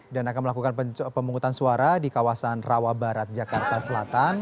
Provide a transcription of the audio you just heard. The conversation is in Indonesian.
dan akan melakukan pemungutan suara di kawasan rawa barat jakarta selatan